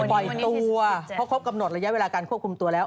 ปล่อยตัวเพราะครบกำหนดระยะเวลาการควบคุมตัวแล้ว